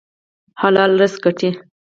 حلال رزق ګټئ